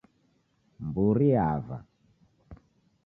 Mburi yava